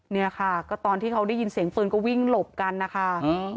เนี่ยค่ะก็ตอนที่เขาได้ยินเสียงปืนก็วิ่งหลบกันนะคะ